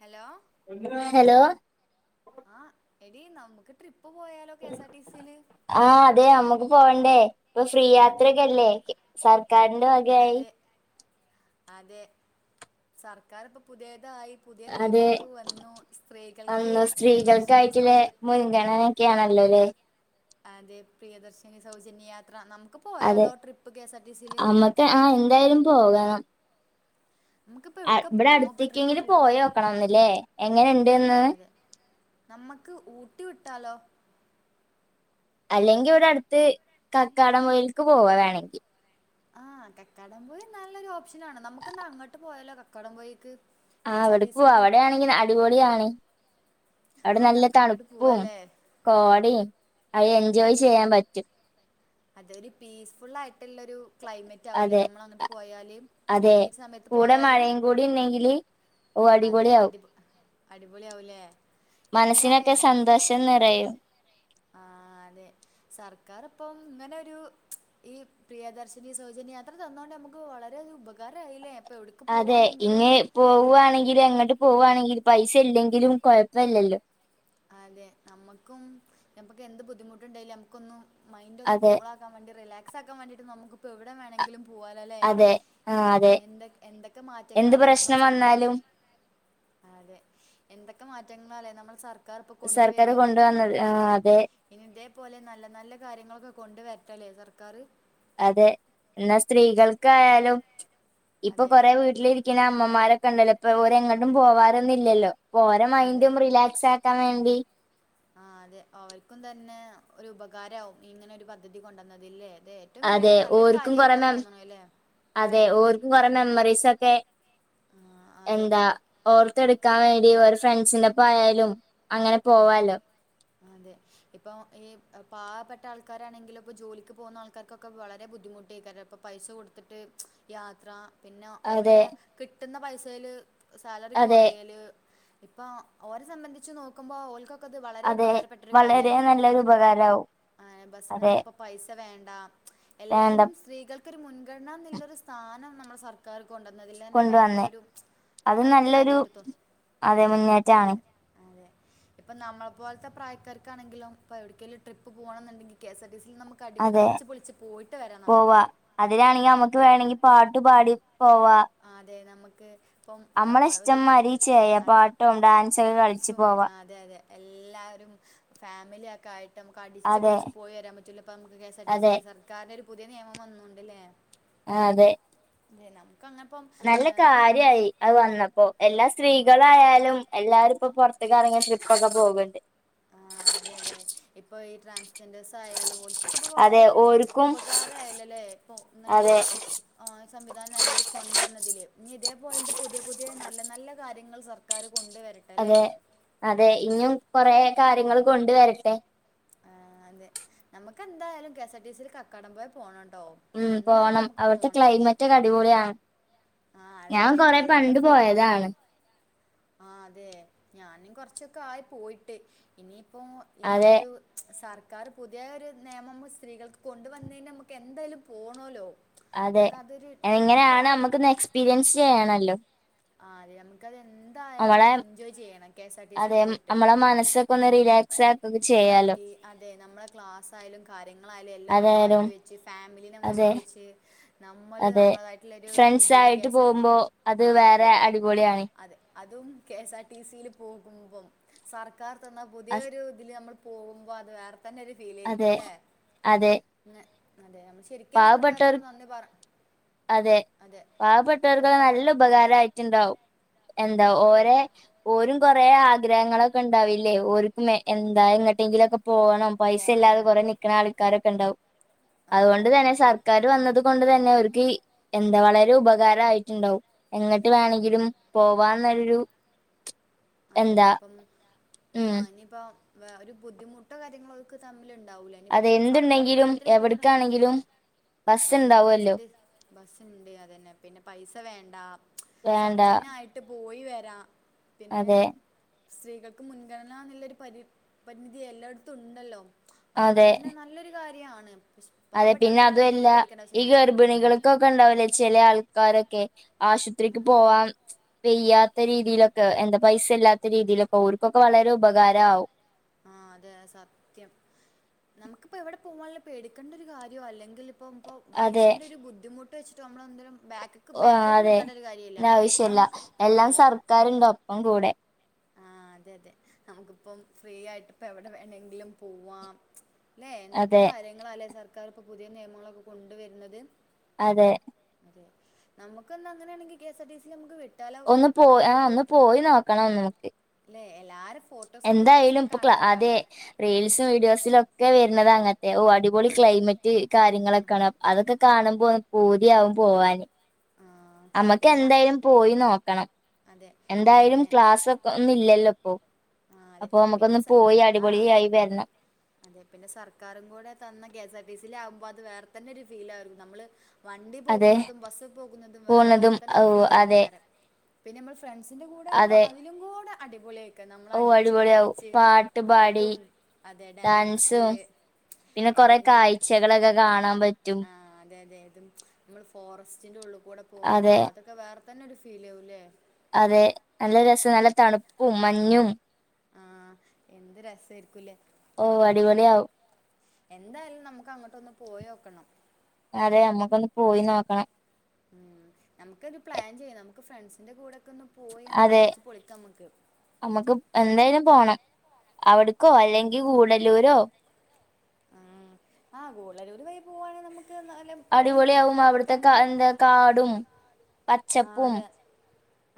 hello ന്തുവാ hello ആഹ് എടീ നമുക്ക് ട്രിപ്പ് പോയാലോ കെ എസ് ആർ ടി സില് ആഹ് അതെ നമ്മക്ക് പോണ്ടേ ഇപ്പൊ ഫ്രീ അതെ ഇപ്പത്തെ യാത്രയൊക്കെല്ലേ പു സർക്കാരിന്റെ വക അതെ അതെ സർക്കാർ ഇപ്പൊ പുതിയതായി പുതിയ അതെ നിയമങ്ങളൊക്കെ വന്നു സ്ത്രീകൾക്ക് അന്ന് പ്രിയദർശിനി സ്ത്രീകൾക്കായിട്ടുള്ള സൗജ അതെ മുൻഗണനൊക്കെയാണല്ലോ അല്ലേ അതെ പ്രിയദർശനി സൗജന്യയാത്ര നമുക്ക് പോയാലോ trip K S R T സില് റ്റ ആ എന്തായാലും പോകണം നമുക്കിപ്പ അ- എവിടുക്കാ ഇവിടെ പോവാ ഇപ്പ ട്രിപ്പ് അടുത്തേക്കെങ്കിലും പോവാണേ പോയോക്കണം ഒന്നില്ലേ എങ്ങനെണ്ട്ന്ന് അതെ നമ്മക്ക് ഊട്ടി വിട്ടാലോ അല്ലെങ്കിൽ ഇവിടെ അട്ത്ത് കക്കാടം പൊഴിൽക്ക് പോവാ വേണെങ്കി ആഹ് കക്കാടംപൊയി നല്ലൊരു ഓപ്ഷനാണ് നമുക്ക്ന്നാ അങ്ങട്ട് പോയാലോ കക്കാടംപൊയിക്ക് ആ അവിട്ക്ക് പോവാ അവിടെയാണെങ്കി അടിപൊളിയാണ് അവിടെ ആഹ് നല്ല നമുക്ക് അങ്ങോട്ട് തണുപ്പും പോവാല്ലേ കോടിം അത് എൻജോയ് ചെയ്യാൻ പറ്റും അതൊരു പീസ്ഫുൾ ആയിട്ടുള്ളൊരു ക്ലൈമ റ്റാവുലേ അതെ നമ്മള് അങ്ങട്ട് പോയാല് അതെ ഈ സമയത്ത് കൂടെ പോയാല് മഴയും കൂടി ഉണ്ടെങ്കില് ഓ അതെ അടിപൊളിയാവും അടിപൊ അടിപൊളി ആവുല്ലേ മനസ്സിനൊക്കെ സന്തോഷം നിറയും ആഹ് അതെ സർക്കാർപ്പം ഇങ്ങനൊരു ഈ പ്രിയദർശിനി സൗജന്യയാത്ര തന്നോണ്ട് നമുക്ക് വളരെ ഉപകാരായില്ലേ ഇപ്പൊ എവിട് അതെ ഇഞ്ഞ് പോവാണെങ്കിലും എങ്ങട്ട് പോവാണെങ്കിലും പൈസ ഇല്ലെങ്കിലും കൊഴപ്പല്ലല്ലോ അതെ ന്നമ്മക്കും ഞമ്മക്ക് എന്ത് ബുദ്ധിമുട്ടുണ്ടേലും നമക്കൊന്നു മൈൻഡൊന്ന് അതെ കൂളാ ക്കാവേണ്ടി റിലാക്സാക്കാൻ വേണ്ടിട്ട് നമക്ക് ഇപ്പോ എവിടെ വേണെങ്കിലും പോ പോവാലൊല്ലേ അതെ ആ അതെ എന്തൊ എന്തൊക്കെ എന്ത് മാറ്റങ്ങളാലേ നമ്മളെ പ്രശ്നം സർക്കാർ വന്നാലും അതെ എന്തൊക്കെ മാറ്റങ്ങളാലേ നമ്മളെ സർ- സർക്കാർ കൊണ്ടുവന്നത് ആഹ് അതെ ഇനി ഇതേപോലെ നല്ല നല്ല കാര്യങ്ങളൊക്കെ കൊണ്ട് വെര്ട്ടലേ സർക്കാർ അതെ ന്നാ സ്ത്രീകൾക്കായാലും ഇപ്പൊ അതെ കൊറേ വീട്ടിലിരി ക്ക്ണ അമ്മമാരൊക്കെ ഇണ്ടല്ലോ ഇപ്പൊ ഓരെങ്ങട്ടും പോവാറൊന്നില്ലല്ലോ പോ ഓരെ അതെ മൈൻഡും റിലാക്സാ ക്കാൻ വേണ്ടി ആഹ് അതെ അവർക്കും തന്നെ ഒരു ഉപകാരാവും ഇങ്ങനെ ഒരു പദ്ധതി കൊണ്ടുന്നതിൽല്ലേ ല്ലേ ഏറ്റവും വല്യൊ അതെ രു നല്ലൊരു ഓർക്കും കൊറേ കാര്യായിട്ടാ മെ തോന്ന്ണെലേ അതെ ഓര്ക്കും കൊറേ മെമ്മറീസൊക്കെ ആ, അതെ എന്താ ഓർത്തെടുക്കാൻ വേണ്ടി ഓരെ ഫ്രണ്ട്സിന്റെപ്പം ആയാലും അങ്ങനെ പോവാലോ ആഹ് അതെ ഇപ്പം ഈ പാവപ്പെട്ട ആൾക്കാരാണെങ്കിൽ ഇപ്പൊ ജോലിക്ക് പോകുന്ന ആൾക്കാർക്കൊക്കെ വളരെ ബുദ്ധിമുട്ട് എയ്ക്കാരം പ്പം പൈസ കൊട്ത്തിട്ട് യാത്ര പിന്നെ അതെ ഓലെ കിട്ട്ന്ന പൈസേല് സാലറി അതെ കൊറയല് ഇപ്പൊ ഓരെ സംബന്ധിച്ച് നോക്ക്മ്പോ ഓൽക്ക ക്കത് വളരെ അതെ ഉപകാരപ്പെട്ടൊരു വളരെ കാര്യാണ് നല്ലൊരു ഉപകാരാവും ഏഹ് ബസ്സിന് അതെ നമ്മക്ക് ഇപ്പം പൈസ വേണ്ട എന്താ എല്ലത്തിനും സ്ത്രീകൾക്കൊരു മുൻഗണനാ ന്നുള്ളൊരു സ്ഥാനം നമ്മുടെ സർ ക്കാർ കൊണ്ടുവന്നതിൽ തന്നെ ഭായങ്കര കൊണ്ടുവന്നേ ഒരു നല്ലൊരു കാര്യായിട്ട് തോന്നുന്നു അതെ മുന്നേറ്റാണ് അതെ അതെ ഇപ്പം നമ്മളെ പോൽത്തെ പ്രായക്കാർക്കാണെങ്കിലോ ഇപ്പൊ എവിടേക്കേലും ട്രിപ്പ് പോണൊന്നുണ്ടെങ്കി കെ എസ് ആർ ടി സിൽ നമ്മ ക്കടി അതെ അടിച്ച് പൊളിച്ച് പോയിട്ട് വരാം നമ്മക്ക് പോവാ അതിലാണെങ്കി നമുക്ക് വേണെങ്കി പാട്ടു പാടി പോവാ ആഹ് അതെ നമ്മക്ക് നമ്മളെ ഇഷ്ട്ടം മാരി ചെയ്യ പാട്ടും ഡാൻസൊക്കെ കളിച്ച് സും പോവാ ആ, അതെ അതെ എല്ലാരും ഫാമിലിയൊക്കെ ആയിട്ട് നമ്മക്ക് അടിച്ച് അതെ പൊളിച്ച് പോയി വരാൻ പറ്റൂലെ ഇപ്പൊ നമ്മക്ക് കെസ്ആർ ടി അതെ സിൽ സർക്കാരിന്റെ ഒരു പുതിയ നിയമം വന്നുണ്ടല്ലേ ആഹ് അതെ നം [unintelligible] കാണപ്പം നല്ല കാര്യായി അത് വന്നപ്പൊ എല്ലാ ആ, സ്ത്രീകളായാലും എല്ലാരുംപ്പൊ പുറത്തക്ക ഇറങ്ങി ട്രിപ്പൊക്കെ പോകുന്നുണ്ട് ആഹ് അതെ അതെ ഇപ്പൊ ഈ ട്രാൻസ് ഞ്ചേഴ്സ് ആയാലും ഓരിക്കൊക്കെ ഇപ്പൊ അതെ വളരെ ഒരു ഓർക്കും ഉപകാരായല്ലല്ലെ ഇപ്പൊ ഇങ്ങനൊരു അതെ ആഹ് സംവിധാനം നിലവിൽ കൊണ്ടുവന്നതില് ഇനി ഇതേപോലെത്തെ പുതിയ പുതിയ നല്ല നല്ല കാര്യങ്ങൾ സർ ക്കാർ കൊണ്ടുവരട്ടെ അല്ലേ അതെ അതെ ഇനിയും കൊറേ കാര്യങ്ങൾ കൊണ്ട് വരട്ടെ ആഹ് അതെ നമുക്ക് എന്തായാലും കെഎസ്ആർ ടി സി യി ൽ കക്കാടം വരെ പോണംണ്ടാവും ഉം പോണം അവിടുത്തെ ക്ലൈമറ്റ് ഒക്കെ അടിപൊളിയാണ് ആഹ് അതെ ഞാൻ കൊറേ പണ്ട് പോയതാണ് ആഹ് അതെ ഞാനും കൊറച്ചൊക്കെ ആയി പോയിട്ട് ഇനിയിപ്പൊ അതെ സർക്കാർ പുതിയ ഒരു നിയമം സ്ത്രീകൾക്ക് കൊണ്ടുവന്നതിന് നമുക്ക് എന്തായാലും പോണോല്ലൊ അതെ എങ്ങനെയാണ് നമുക്കൊന്ന് എക്സ്പീരിയൻസ് ചെയ്യണല്ലൊ ആഹ് അതെ നമുക്കത് എന്തായാലും നമ്മളെ എൻജോയ് ചെയ്യണം കെഎസ്ആർ ടി സി പോയിട്ട് ആഹ് മനസൊ ക്കെ ഒന്ന് റിലാക്സ് ആക്കൊക്കെ ചെയ്യാലോ ആക്കി അതെ നമ്മളെ ക്ലാസ്സാ യാലും കാര്യങ്ങളായാലും എല്ലാം ഒന്നു അതായാലും മാറ്റിവെച്ച് ഫാമിലീനെമു അതെ ജായിച്ച [unintelligible] നമ്മള് അതെ നമ്മളതായിട്ടുള്ള ഒരു ഫ്രണ്ട്സ് രീതിയില് കെ ആയിട്ട് എസ് ആർ പോകുമ്പോ അത് ആഹ് വേറെ അതെ കെ അടിപൊളിയാണ് അതെ അതും കെ എസ് ആർ ടി സിൽ പോകുമ്പം സർക്കാർ തന്ന അസ്- പുതിയൊരു തില് നമ്മൾ പോകുമ്പൊ അത് വേറെ തന്നെ ഒരു ഫീൽ ആയിരിക്കും അതെ അല്ലെ അതെ അതെ ശരിക്കും പാവപ്പെട്ടവർ സർക്കാരിനോട് നന്ദി പറ അതെ പാവപ്പെട്ടവർക്കത് നല്ല സർക്കാരിനോട് ഉപകാരായിട്ടുണ്ടാവും എന്താ ആ അതെ ഓരെ ഓരും കൊറേ ആഗ്രഹങ്ങളൊക്കെ ഉണ്ടാവില്ലേ ഓര് ആ എന്താ എങ്ങട്ടെങ്കിലും ഒക്കെ എ- പോണം പൈസ ഇല്ലാതെ കൊറേ നിക്കണ ആൾക്കാരൊക്കെണ്ടാവും ആഹ് അവര് വന്നത് കൊണ്ട് തന്നെ അവർക്ക് എന്താ വളരെ ഉപകാരായിട്ടുണ്ടാവും എങ്ങിട്ട് വേണമെങ്കിലും പോവാന്നൊരു അതെ എന്താ അപ്പം ഉം ആ ഇനിയിപ്പോ ഒരു ബുദ്ധിമുട്ടോ കാര്യങ്ങളോ ഒക്ക തമ്മിൽ ഉണ്ടാവൂലേ ഇനിയിപ്പ അത് തന്നെ സർക്കാർ ഇപ്പ എന്തുണ്ടെങ്കിലും എല്ലാത്തിനും പോണം എവിടക്കാണെങ്കിലും ബസ് അതെ കെ എസ് ആർ ഉണ്ടാവുമല്ലോ ടി ബസ്ണ്ട് അത് തന്നെ പിന്നെ പൈസ വേണ്ട വേണ്ട സൗജന്യായിട്ട് പോയി വരാം പിന്നെ അതെ സ്ത്രീകൾക്ക് മുൻഗണനാ എന്നുള്ളൊരു പരി പരിമിതി എല്ലായിടത്തും ഉണ്ടല്ലോ അതുകൊണ്ട് അതെ തന്നെ നല്ലൊരു കാര്യമാണ് പു അതെ പാവപ്പെട്ട പിന്നെ ആൾക്കാർക്ക് ഒരിക്കലും പേടിക്കേണ്ടാവശ്യല്ല ഉം ക്ക ഉണ്ടാവലേ ചില ആൾക്കാരൊക്കെ ആശുപത്രിക്ക് പോവാൻ പെയ്യാത്ത രീതിയിലൊക്കെ എന്താ പൈസ ഇല്ലാത്ത രീതിയിലൊക്കെ ഓര്ക്കൊക്കെ വളരെ ഉപകാരമാവും ആഹ് അതെ സത്യം നമുക്കിപ്പം എവിടെ പോകാനും പേടിക്കേണ്ട ഒരു കാര്യോ അല്ലെങ്കിൽ ഇപ്പം ഇപ്പോ അതെ പൈസൻറ ഒരു ബുദ്ധിമുട്ട് വെച്ചിട്ട് മ്മളെന്തേലും ബാക്ക് ബാക്കോട്ട് അതെ നിക്കേണ്ട ഒരു കാര്യമില്ല അപ്പൊ ആവശ്യല്ല നമുക്ക് എല്ലാം അതെ സർക്കാരുണ്ട് ഒപ്പം കൂടെ ആഹ് അതെ അതെ നമുക്കിപ്പം ഫ്രീ ആയിട്ട് ഇപ്പം എവിടെ വേണെങ്കിലും പോവാം അല്ലെ എന്തൊക്കെ അതെ കാര്യങ്ങളാല്ലെ സർക്കാർ ഇപ്പോ പുതിയ നിയമങ്ങളൊക്കെ കൊണ്ടുവരുന്നത് അതെ അതെ നമുക്കന്ന് അങ്ങനെയാണെങ്കി കെ എസ്ആർ ടി സി നമ്ക്ക് ഒന്ന് പോയി ആഹ് ഒന്ന് പോയി നോക്കണം നമുക്ക് അല്ലെ എല്ലാരും ഫ് എന്തായാലും പ്പൊ ക്ലാ അതെ റീൽസും വീഡിയോസിൽ ഒക്കെ വരുന്നത് അങ്ങൻത്തെ ഓ അടിപൊളി ക്ലൈമറ്റ് മറ്റേ കാര്യങ്ങളൊക്കെയാണ് അതൊക്കെ കാണുമ്പോ പൂതിയാകും പോവാന് ആഹ് നമ്മക്ക് പിന്നെ എന്തായാലും പോയി നോക്കണം അതെ എന്തായാലും പിന്നെ ക്ലാസ് ഒന്നും ഇല്ലല്ലോ ഇപ്പോ ആ അതെ അപ്പൊ പിന്നെ നമുക്കൊന്ന് സ പോയി ആ അടിപൊളിയായി വരണം അതെ പിന്നെ സർക്കാരും കൂടെ തന്ന K S R T C ൽ ആകുമ്പോ അത് വേറെ തന്നെ ഒരു ഫീൽ ആരുന്നു നമ്മള് വണ്ടി അതെ പോകുന്നതും ബസ് പോകുന്നതും വേറെ പോണതും വേറെ തന്നെ ഓ ഒരു അതെ ഫീലേക്കാരം പിന്നെ നമ്മൾ ഫ്രണ്ട്സിൻ്റെ കൂടെ ആകുമ്പോൾ അതെ അതിലും കൂടെ അടിപൊളി ഒക്കെ നമ്മള് ഓ അടിച്ച് അടിപൊളിയാവും പൊളിച്ച് പാട്ട് പാടി പാട്ടും അതെ ഡാൻസ് ഡാൻസും പിന്നെ കൊറെ എല്ലാംകൊണ്ട് കൊറേ കാഴ്ചകളൊക്കെ കാഴ്ചകൾ ഓക്കെ കാണാൻ കാണാ പറ്റും ആഹ് അതെ അതെ നമ്മൾ ഫോറസ്റ്റിന്റെ ഉള്ളിൽ കൂടെ പോകുമ്പോ അതെ അതൊക്കെ വേറെ തന്നെ ഒരു ഫീൽ ആകുംല്ലേ അതെ നല്ല രസാണ് നല്ല തണുപ്പും മഞ്ഞും ആഹ് എന്ത് രസായിരിക്കൂലേ ഓഹ് അടിപൊളിയാവും എന്തായാലും നമുക്ക് അങ്ങോട്ട് ഒന്ന് പോയി നോക്കണം അതെ നമ്മക്കൊന്ന് പോയി നോക്കണം ഉം നമുക്ക് ഒരു പ്ലാൻ ചെയ്യാം നമുക്ക് ഫ്രണ്ട്സിന്റെ കൂടെയൊക്കെ ഒന്ന് പോയിന്ന് അതെ അടിച്ച് പൊളിക്കാ നമുക്ക് നമ്മുക്ക് എന്തായാലും പോണം അവിടുക്കോ അല്ലെങ്കിൽ ഗുടല്ലുരോ ഉം ആഹ് ഗൂടല്ലുര് വഴി പോകുവാണെങ്കിൽ നമുക്ക് നല്ല കുറെ അടിപൊളിയാവും മൃഗങ്ങളൊക്കെ അവിടുത്തെ കാ കണ്ട് എന്താ കാടും ആഹ് പച്ചപ്പും അതെ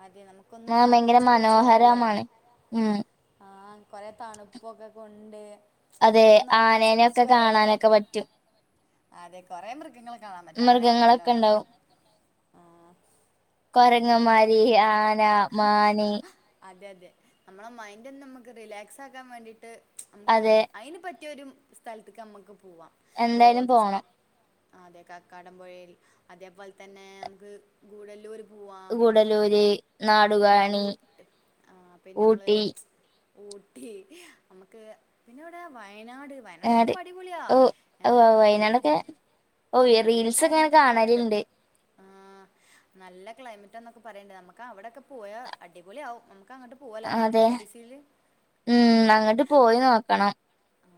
അതെ നമുക്കൊന്ന് ആ ഭയങ്കര അടിച്ചു പൊളിച്ചു വരാല്ലേ മനോഹരമാണ് ഉം ആഹ് കൊറെ തണുപ്പൊക്കെ കൊണ്ട് അതെ നമുക്കൊന്ന് ആസ്വദിച്ചു ആനേനെയൊക്കെ വരാല്ലേ കാണാനൊക്കെ പറ്റും അതെ കൊറെ മൃഗങ്ങളെ കാണാൻ പറ്റും ആന മാത്രല്ലാ മൃഗങ്ങളൊക്കെ ഉണ്ടാവും കൊരങ്ങമാര് ആന മാന് അതെതെ അമ്മള മൈൻഡൊന്നമ്മക്ക് റിലാക്സാക്കാൻ വേണ്ടീട്ട് അംക്ക് അതെ അയ്ന് പറ്റിയ ഒരു സ്ഥലത്തേക്കമ്മ്ക്ക് പോവാം ഇപ്പോ എന്തായാലും പോണം എക്സാ- ആഹ് അതെ കാക്കാടം പൊഴയിൽ അതേപോലെ തന്നെ അംക്ക് ഗൂടല്ലൂര് ഗൂടലൂര് പിന്നെ ഊട്ട് ആഹ് പിന്നമ്മള് ഊട്ടി ഊട്ടി അമ്മക്ക് പിന്നെവിടെയാ വയനാട് ആട് വയനാടക്കെപ്പൊ അടിപൊളിയാ ഓ ഓ ഏഹ് നല്ല വയനാടൊക്കെ ഓ ആഹ് നല്ല റീൽസ് ഒക്കെ ഇങ്ങനെ ക്ലൈമറ്റാക്കെ പറയണ്ട് കാണലുണ്ട് ആഹ് നല്ല ക്ലൈമറ്റാന്നൊക്കെ പറയ്ണ്ട് നമുക്കവിടൊക്കെ പോയാ അടിപൊള്യാവും നമുക്കങ്ങോട്ട് ആഹ് അതെ ഉം അങ്ങട്ട് പോയി നോക്കണം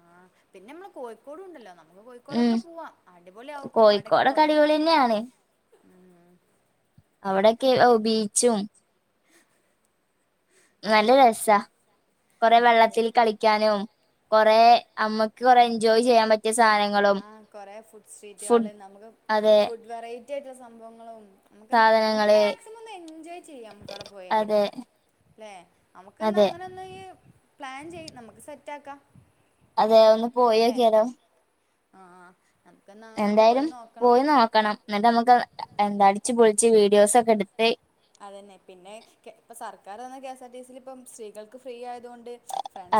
ആഹ് പിന്നെമ്മള് കോഴിക്കോടുണ്ടല്ലോ നമുക്ക് ഉം കോഴിക്കോടൊക്കെ പോവാ അടിപൊളി ആവും അവിടെക്കെ കോഴിക്കോടൊക്കെ പോയാല് അടിപൊളി തന്നെയാണ് അവിടൊക്കെ ഔ ബീച്ചും നല്ല അതെ രസാ കൊറെ അതെ വെള്ളത്തിൽ കളിക്കാനും കൊറേ അമ്മക്ക് കൊറെ എൻജോയ് ചെയ്യാൻ പറ്റിയ വേറെ സാനങ്ങളും ആ കൊറേ ഫുഡ് ഫുഡ് സ്ട്രീറ്റുകള് നമുക്ക് അതെ ഫുഡ് വെറൈറ്റി ആയിട്ടുള്ള സംഭവങ്ങളും നമുക്ക് നമുക്ക് സാധനങ്ങള് മാക്സിമം ഒന്ന് എൻജോയ് ചെയ്യ അമ്മക്കവിടെ പോയാല് അതെ അല്ലെ അതെ നമുക്ക്ന്നാങ്ങനെ [unintelligible] പ്ലാൻ ചെയ്യ് നമുക്ക് സെറ്റാക്കാം അതെ ഒന്ന് പോയോക്കിയാലോ ആഹ് ആഹ് എന്തായാലും പോയി നോക്കണം ന്നിട്ട്മ്മക്ക് എന്ത അടിച്ച് പൊളിച്ച് വീഡിയോസൊക്കെടുത്ത് അതന്നെ പിന്നെ കേ ഇപ്പ സർക്കാർ തന്ന കെഎസ് ആർ ടിസിലിപ്പം സ്ത്രീകൾക്ക് ഫ്രീ ആയത്കൊണ്ട്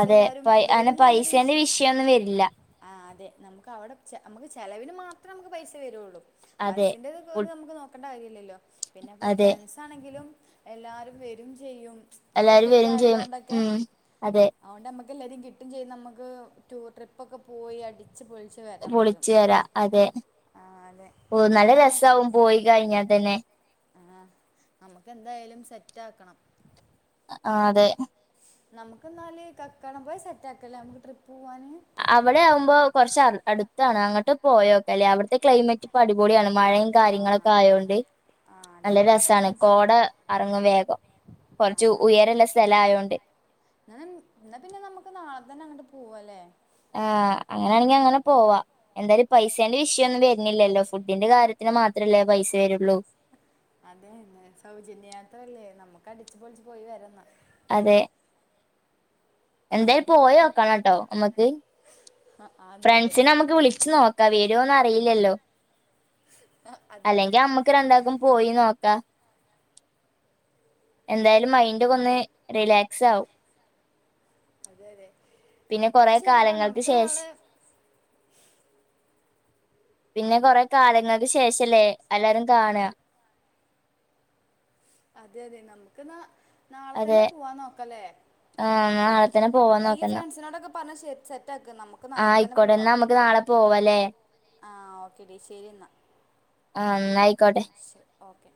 അതെ പൈ അങ്ങനെ വെരുംന്ന്ല്ലൊരു പൈസേന്റെ വിഷ് വിഷയൊന്നും വരില്ല ആ അതെ നമുക്കവടെ ചെ നമുക്ക് ചെലവിന് മാത്രം നമുക്ക് പൈസ വെരുള്ളൂ അതെ ബസ്സിന്റെത്പൊത് ഫുഡ് നമുക്ക് നോക്കണ്ട കാര്യല്ല്യല്ലോ പിന്നെപ്പോ അതെ ഫ്രണ്ട്സ് ന്താണെങ്കിലും എല്ലാരും വെരും ചെയ്യും സ് ന്പ്പൊ എല്ലാരും ഫ്രീ വരും ചെയ്യും ആയതോണ്ടൊക്കെ ഉം അതെ അതോണ്ടമ്മക്ക് എല്ലാരിം കിട്ടുംചെയ്യും നമക്ക് ടൂ ട്രിപ്പൊക്കെ പോയി അടിച്ച് പൊള്ച്ച് പൊളിച്ച് വെരാ അതെ ആഹ് അതെ ഓ എന്നാ നല്ലരസ്സാവും പോയി കഴിഞ്ഞാതന്നെ ആ നമ്മക്കെന്തായാലും സെറ്റാക്കണം ആഹ് അതെ നമുക്കന്നാല് കക്കാടംപുഴ സെറ്റാക്കല്ലേമക്ക് ട്രിപ്പൂവാന് അവടെയാവ്മ്പോ കൊറച്ച് അട് അട്ത്താണ് അങ്ങട്ട് പോയൊക്കല്ലേ അവിട്ത്തെ ക്ലൈമറ്റ്പ്പടിപൊളിയാണ് മഴയും ആഹ് കാര്യങ്ങളൊക്കായോണ്ട് ആഹ് അതെ നല്ലരസാണ് നമുക്ക് കോട അറങ്ങും വേഗം കൊറച്ച് ഉയെരല്ല സെലായോണ്ട് ന്ന ഇന്നപിന്നെ നമ്മക്ക് നാളെ തന്നെഅങ്ങട്ട് പൂവാല്ലേ ആഹ് അങ്ങനാണെങ്കി അങ്ങനെപോവാ എന്തായാലും പൈസേന്റെ വിഷ്യന്നും വെര്ന്നില്ലല്ലോ ഫുഡിന്റെ കാര്യത്തിന് മാത്രല്ലേ പൈസ വെരുള്ളൂ അതെന്നെ സൗജന്യയാത്രല്ലേ നമ്മക്കടിച്ചുപൊളിച്ചു പോയിവരാന്നാ അതെ എന്തേ പോയോക്കണട്ടോ അമ്മക്ക് [unintelligible] അതെ അതെ ഫ്രണ്ട്സിനെമ്മക്ക് വിളിച്ച്നോക്കാം വരോന്ന് അറിയില്ല്യല്ലോ ആ, അതെ അതെ അല്ലെങ്കി അമ്മ ക്ക് രണ്ടാക്കും പോയി നോക്കാ എന്തായാലും മൈന്റൊകൊന്ന് റിലാക്സാവും അതെ അതെ പിന്നെ എന്നാ കൊറെ ശരിടാ കാലങ്ങൾക്ക് നമുക്ക് ശേഷ് നാളെ പിന്നെ കൊറേ കാലങ്ങൾക്ക് ശേഷല്ലേ അല്ലാരും കാണാ അതെ അതെ നമുക്ക് ന്നാ നാളെതന്നെ പൂവാൻ നോക്കല്ലേ ആ അത് ന്ന ഇയ്യ് ഫ്രണ്ട്സിനോടൊക്കെ പറഞ്ഞ് സെ സെറ്റാക്ക് നമു ക്ക് ആഹ് നാളെത്തന്നെ ആയിക്കോട്ടെ പൂവാ എന്നാ നമുക്ക് നാളെ പോവാല്ലേ ആ ഓക്കേ ടീ ശരി എന്നാ ആ ന്ന ആയ്ക്കോട്ടെ ശരി ഓക്കെ